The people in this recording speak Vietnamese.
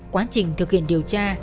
quá trình thực hiện điều tra